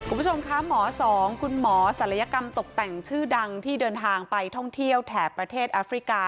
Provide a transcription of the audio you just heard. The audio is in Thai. คุณผู้ชมคะหมอสองคุณหมอศัลยกรรมตกแต่งชื่อดังที่เดินทางไปท่องเที่ยวแถบประเทศแอฟริกา